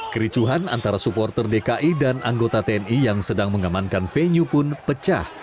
kericuhan antara supporter dki dan anggota tni yang sedang mengamankan venue pun pecah